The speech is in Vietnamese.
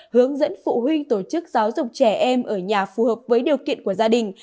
hướng dẫn phụ huynh tổ chức giáo dục trẻ em ở nhà phù hợp với điều kiện của gia đình